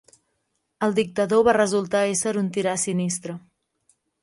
El dictador va resultar ésser un tirà sinistre.